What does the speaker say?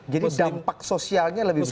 jadi dampak sosialnya lebih besar